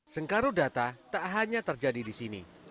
sengkaru data tak hanya terjadi di sini